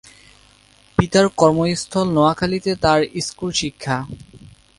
পিতার কর্মস্থল নোয়াখালীতে তার স্কুল শিক্ষা।